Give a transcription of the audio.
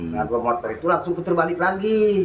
dengan dua motor itu langsung puter balik lagi